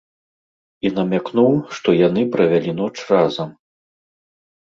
І намякнуў, што яны правялі ноч разам.